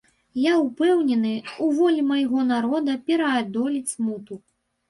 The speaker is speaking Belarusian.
Я ўпэўнены, у волі майго народа пераадолець смуту.